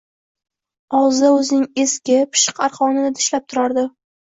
Og`zida o`zining eski, pishiq arqonini tishlab turardi